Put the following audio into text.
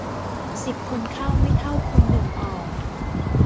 สิบคนเข้าไม่เท่าคนหนึ่งออก